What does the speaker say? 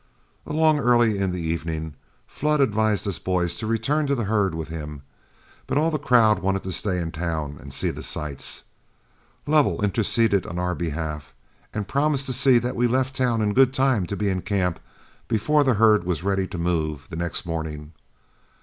Along early in the evening, Flood advised us boys to return to the herd with him, but all the crowd wanted to stay in town and see the sights. Lovell interceded in our behalf, and promised to see that we left town in good time to be in camp before the herd was ready to move the next morning.